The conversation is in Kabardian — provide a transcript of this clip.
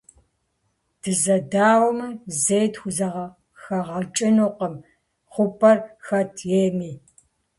Дызэдауэмэ, зэи тхузэхэгъэкӀынукъым хъупӀэр хэт ейми.